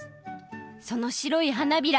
そのしろい花びら